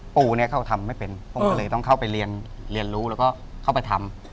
ปู่เนี่ยเขาทำไม่เป็นผมก็เลยต้องเข้าไปเรียนรู้แล้วก็เข้าไปทำ